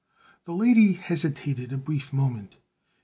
The lady hesitated a brief moment.